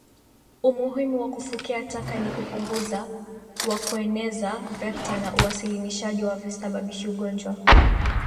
Umuhimu wa kufukia taka ni kupunguza wa kueneza vekta na uwasilinishaji wa visababishi ugonjwa